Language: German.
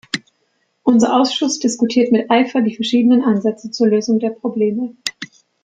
Unser Ausschuss diskutiert mit Eifer die verschiedenen Ansätze zur Lösung der Probleme.